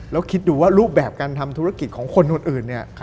แล้วคิดดูว่ารูปแบบการทำธุรกิจของคนอื่นเนี่ย